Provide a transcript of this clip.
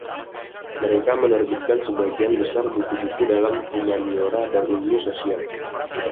Mereka menerbitkan sebagian besar buku-buku dalam humaniora dan ilmu sosial.